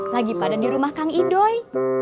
lagi pada di rumah kang idoy